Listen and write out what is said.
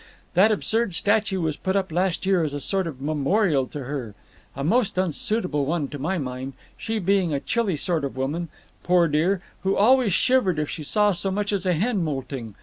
That absurd statue was put up last year as a sort of memorial to her a most unsuitable one to my mind, she being a chilly sort of woman, poor dear, who always shivered if she saw so much as a hen moulting.